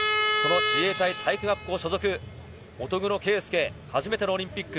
自衛隊体育学校所属、乙黒圭祐、初めてのオリンピック。